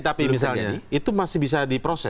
tapi misalnya itu masih bisa diproses